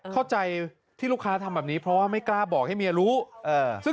เข้าใจที่ลูกค้าทำแบบนี้เพราะว่าไม่กล้าบอกให้เมียรู้